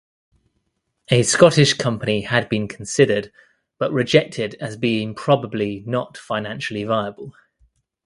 A Scottish company had been considered, but rejected as being probably not financially viable.